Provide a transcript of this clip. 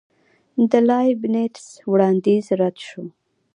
د لایبینټس وړاندیز رد شو.